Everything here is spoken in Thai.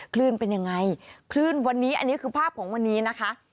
คลื่นเป็นยังไงคลื่นวันนี้อันนี้คือภาพของวันนี้นะคะ